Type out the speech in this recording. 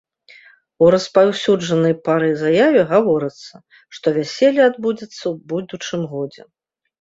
У распаўсюджанай парай заяве гаворыцца, што вяселле адбудзецца ў будучым годзе.